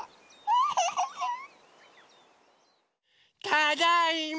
ただいま！